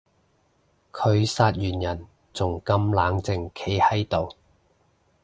佢殺完人仲咁冷靜企喺度